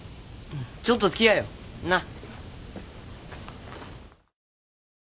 ちょっとつきあえよ。なあ。